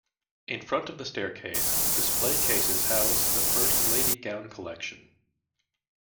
In front of the staircase, display cases house the First Lady Gown Collection.